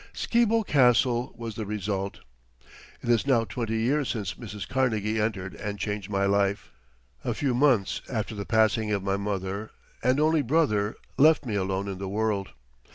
Skibo Castle was the result. It is now twenty years since Mrs. Carnegie entered and changed my life, a few months after the passing of my mother and only brother left me alone in the world.